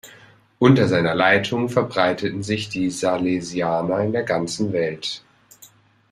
Unter seiner Leitung verbreiteten sich die Salesianer in der ganzen Welt.